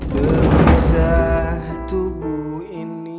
berpisah tubuh ini